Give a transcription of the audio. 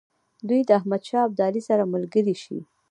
دوی د احمدشاه ابدالي سره ملګري شي.